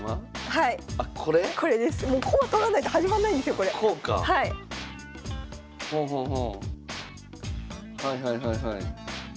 はいはいはいはい。